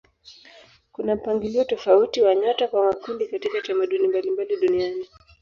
Kuna mpangilio tofauti wa nyota kwa makundi katika tamaduni mbalimbali duniani.